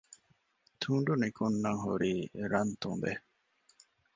ތުނޑު ނިކުންނަން ހުރީ ރަން ތުނބެއް